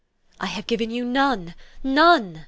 "I have given you none, none!"